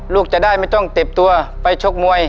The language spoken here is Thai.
ลูกจะได้ไม่ต้องเจ็บตัวไปชกมวย